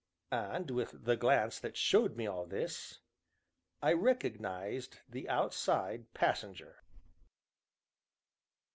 And, with the glance that showed me all this, I recognized the Outside Passenger.